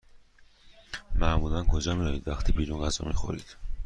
معمولا کجا می روید وقتی بیرون غذا می خورید؟